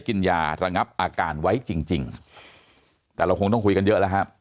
กินยาระงับอาการไว้จริงจริงแต่เราคงต้องคุยกันเยอะแล้วครับ